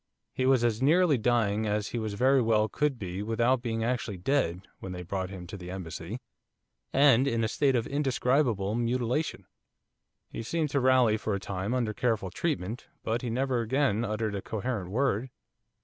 He was as nearly dying as he very well could be without being actually dead when they brought him to the Embassy, and in a state of indescribable mutilation. He seemed to rally for a time under careful treatment, but he never again uttered a coherent word.